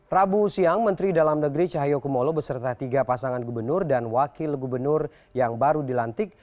rabu siang menteri dalam negeri cahayu kumolo beserta tiga pasangan gubernur dan wakil gubernur yang baru dilantik